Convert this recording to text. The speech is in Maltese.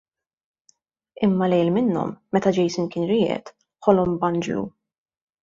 Imma lejl minnhom, meta Jason kien rieqed, ħolom b'Anġlu.